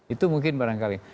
itu mungkin barangkali